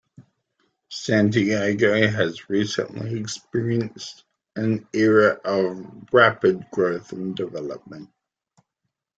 Santiago has recently experienced an era of rapid growth and development.